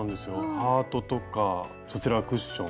ハートとかそちらクッション。